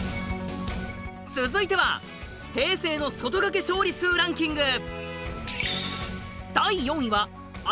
続いては平成の外掛け勝利数ランキング。